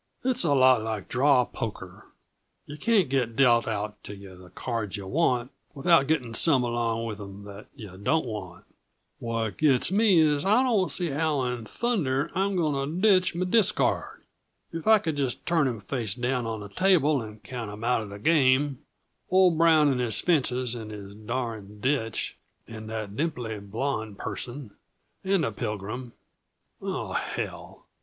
"It's a lot like draw poker. Yah can't get dealt out to yuh the cards yuh want, without getting some along with 'em that yuh don't want. What gets me is, I don't see how in thunder I'm going to ditch m' discard. If I could just turn 'em face down on the table and count 'em out uh the game old Brown and his fences and his darn ditch, and that dimply blonde person and the Pilgrim oh, hell!